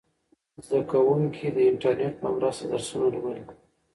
زده کوونکي د انټرنیټ په مرسته درسونه لولي.